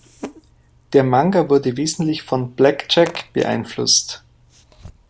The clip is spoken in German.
Der Manga wurde wesentlich von "Black Jack" beeinflusst.